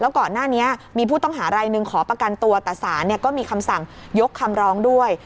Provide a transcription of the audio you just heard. ก่อนหน้านี้มีผู้ต้องหารายหนึ่งขอประกันตัวแต่ศาลก็มีคำสั่งยกคำร้องด้วย